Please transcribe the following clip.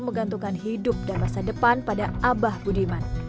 menggantungkan hidup dan masa depan pada abah budiman